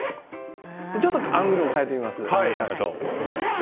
ちょっとアングルを変えてみます。